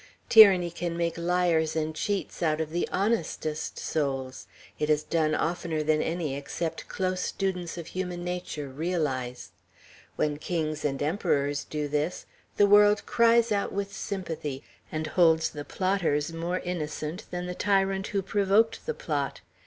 Tyranny can make liars and cheats out of the honestest souls. It is done oftener than any except close students of human nature realize. When kings and emperors do this, the world cries out with sympathy, and holds the plotters more innocent than the tyrant who provoked the plot.